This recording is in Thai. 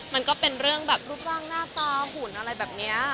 มันก็เป็นเรื่องแบบรูปร่างหน้าตาหุ่นอะไรแบบนี้